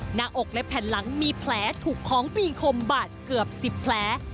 หน้าอกและแผ่นหลังมีแผลถูกของมีคมบาดเกือบ๑๐แผล